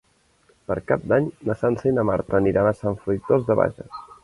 Per Cap d'Any na Sança i na Marta aniran a Sant Fruitós de Bages.